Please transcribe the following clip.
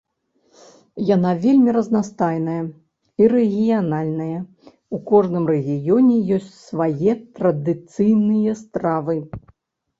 Яна вельмі разнастайная і рэгіянальная, у кожным рэгіёне ёсць свае традыцыйныя стравы.